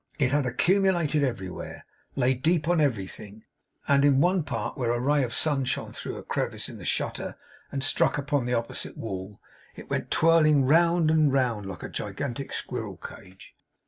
It had accumulated everywhere; lay deep on everything, and in one part, where a ray of sun shone through a crevice in the shutter and struck upon the opposite wall, it went twirling round and round, like a gigantic squirrel cage.